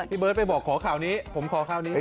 เบิร์ตไปบอกขอข่าวนี้ผมขอข่าวนี้